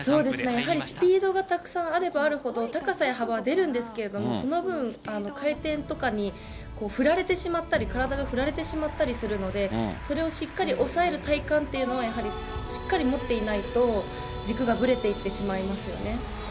やはりスピードがたくさんあればあるほど、高さや幅は出るんですけれども、その分、回転とかに振られてしまったり、体が振られてしまったりするので、それをしっかり押さえる体幹というのは、やはりしっかり持っていないと、軸がぶれていってしまいますよね。